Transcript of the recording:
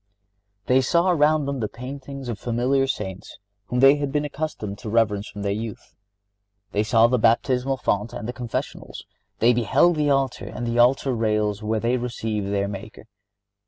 (69) They saw around them the paintings of familiar Saints whom they had been accustomed to reverence from their youth. They saw the baptismal font and the confessionals. They beheld the altar and the altar rails where they received their Maker.